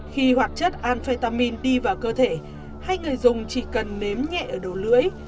khi hoạt chất alfetamin đi vào cơ thể hay người dùng chỉ cần nếm nhẹ ở đầu lưỡi